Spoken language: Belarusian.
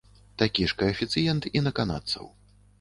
Такі ж каэфіцыент і на канадцаў.